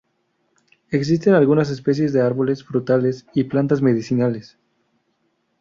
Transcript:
Existen algunas especies de árboles frutales y plantas medicinales.